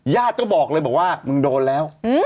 ญาติก็บอกเลยบอกว่ามึงโดนแล้ว